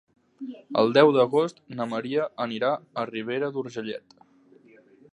El deu d'agost na Maria anirà a Ribera d'Urgellet.